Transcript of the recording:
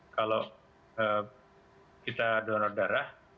kalau kita donor darah